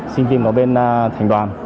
sinh viên của bên thành đoàn